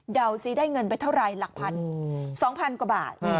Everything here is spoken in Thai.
เดาซิได้เงินไปเท่าไหร่หลักพัน๒๐๐๐กว่าบาท